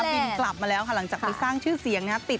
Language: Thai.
บินกลับมาแล้วค่ะหลังจากไปสร้างชื่อเสียงนะครับ